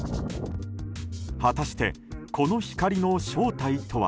果たして、この光の正体とは？